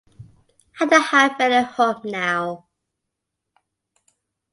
I don't have any hope now.